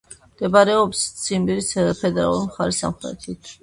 მდებარეობს ციმბირის ფედერალურ მხარის სამხრეთით.